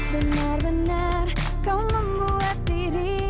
benar benar kau membuat diri